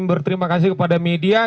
berterima kasih kepada media